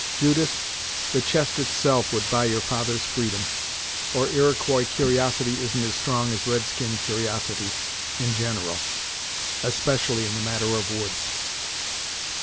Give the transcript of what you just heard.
Judith, the chest itself would buy your father's freedom, or Iroquois cur'osity isn't as strong as red skin cur'osity, in general; especially in the matter of woods."